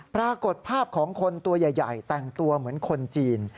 ปรากฏภาพของคนตัวใหญ่แต่งตัวเหมือนคนจีน